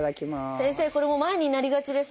先生これも前になりがちです。